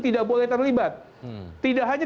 tidak boleh terlibat tidak hanya